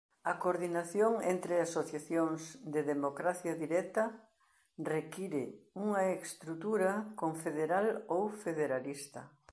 A coordinación entre asociacións de democracia directa require unha estrutura confederal ou federalista.